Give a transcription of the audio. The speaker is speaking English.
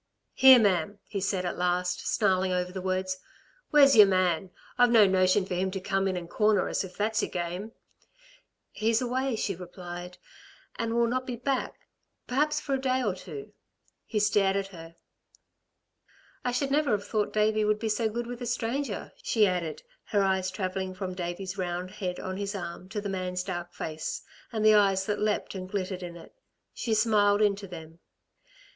"Here, ma'am," he said at last, snarling over the words, "Where's your man? I've no notion for him to come in and corner us if that's your game." "He's away," she replied, "and will not be back perhaps for a day or two." He stared at her. "I should never have thought Davey would be so good with a stranger," she added, her eyes travelling from Davey's round head on his arm to the man's dark face, and the eyes that leapt and glittered in it. She smiled into them.